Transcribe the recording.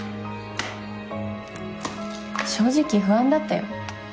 正直不安だったよ。